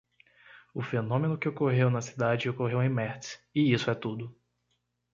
O fenômeno que ocorreu na cidade ocorreu em Metz, e isso é tudo.